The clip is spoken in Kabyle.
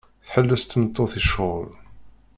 Tḥelles tmeṭṭut i ccɣel.